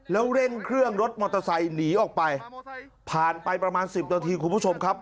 แล้วเร่งเครื่องรถมอเตอร์ไซค์หนีออกไปผ่านไปประมาณสิบนาทีคุณผู้ชมครับ